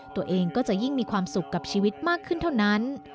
ตัวเองก็จะยิ่งมีความสุขกับชีวิตมากขึ้นเท่านั้น